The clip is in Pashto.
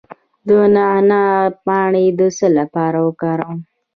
د نعناع پاڼې د څه لپاره وکاروم؟